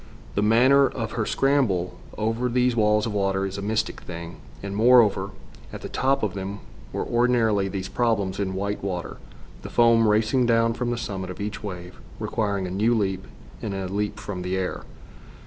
The manner of her scramble over these walls of water is a mystic thing, and, moreover, at the top of them were ordinarily these problems in white water, the foam racing down from the summit of each wave, requiring a new leap, and a leap from the air.